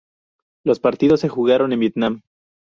Los partidos se jugaron en Vietnam.